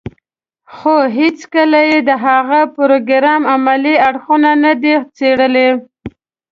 خو هېڅکله يې د هغه پروګرام عملي اړخونه نه دي څېړلي.